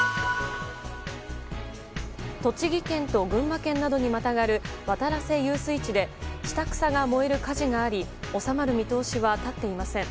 栃木県と群馬県などにまたがる渡良瀬遊水地で下草が燃える火事があり収まる見通しは立っていません。